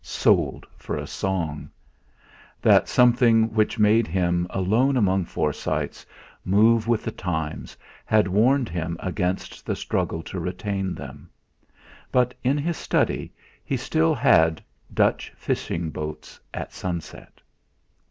Sold for a song! That something which made him, alone among Forsytes, move with the times had warned him against the struggle to retain them. But in his study he still had 'Dutch Fishing Boats at Sunset.'